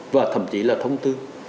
và thậm chí là thông tư